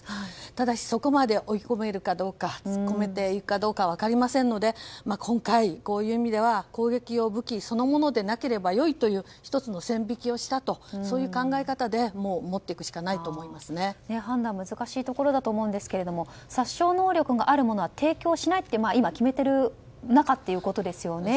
ただしそこまで追い込めるかどうか分かりませんので今回、こういう意味では攻撃用武器そのものでなければ良いという１つの線引きをしたとそういう考え方で判断難しいところだと思うんですけれども殺傷能力があるものは提供しないと今決めている中ということですよね。